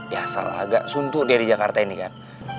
ya salah agak suntuk dia di jakarta ini kan